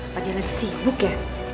padahal lagi sibuk ya